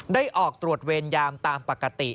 ได้ออกตรวจเวรยามตามปกติ